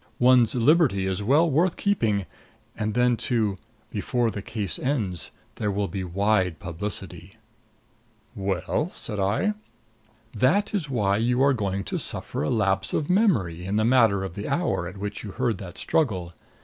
One's liberty is well worth keeping and then, too, before the case ends, there will be wide publicity " "'Well?" said I. "That is why you are going to suffer a lapse of memory in the matter of the hour at which you heard that struggle.